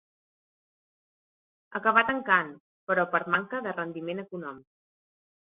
Acabà tancant, però, per manca de rendiment econòmic.